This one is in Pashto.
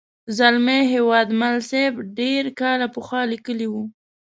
زلمي هیوادمل صاحب ډېر کاله پخوا لیکلې وه.